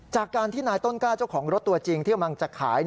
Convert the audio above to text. จากการที่นายต้นกล้าเจ้าของรถตัวจริงที่กำลังจะขาย